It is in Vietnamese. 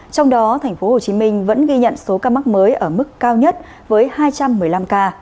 trong đó tp hcm vẫn ghi nhận số ca mắc mới ở mức cao nhất với hai trăm một mươi năm ca